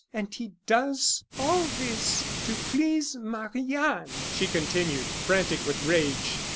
And he does all this to please Marie Anne," she continued, frantic with rage.